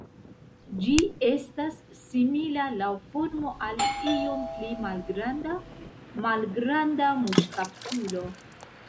Ĝi estas simila laŭ formo al iom pli malgranda Malgranda muŝkaptulo.